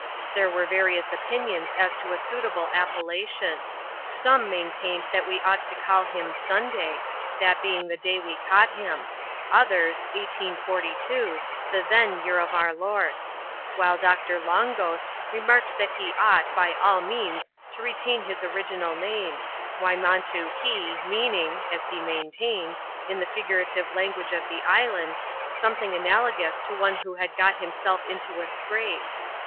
There were various opinions as to a suitable appellation. Some maintained that we ought to call him " Sunday," that being the day we caught him ; others, " Eighteen Forty two," the then year of our Lord ; while Doctor Long Ghost remarked that be ought, by all means, to retain \i\a oTi^vaal \va.txift, — Wy CHAP.ix.] WE ST££B TO THE WESTWARD. at montoo Hee, meaning (as be maintained), in the figurative lan guage of the island^ something analogous to one who had got himself into a scrape.